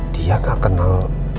dia gak kenal